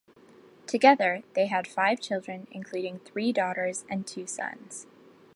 Together, they had five children including three daughters and two sons.